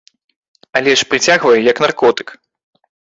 Але ж прыцягвае, як наркотык.